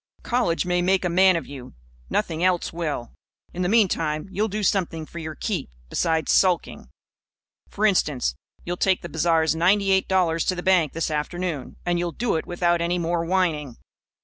College may make a man of you. Nothing else will. In the meantime, you'll do something for your keep, besides sulking. For instance, you'll take the bazaar's ninety eight dollars to the bank, this afternoon. And you'll do it without any more whining."